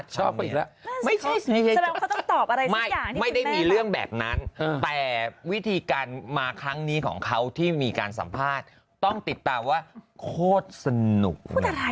ต้องติดตามสนุกแบบวิธีการมาทั้งนี้ของเขาที่มีการสัมภาษบ์ต้องติดตามว่าโคตรสนุก